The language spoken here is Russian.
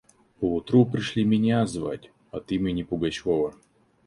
Поутру пришли меня звать от имени Пугачева.